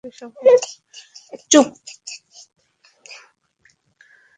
তিনি বিদ্রোহ করেছেন অত্যাচারের বিরুদ্ধে, শোষণের বিরুদ্ধে, অন্যায়ের বিরুদ্ধে, অবিচারের বিরুদ্ধে।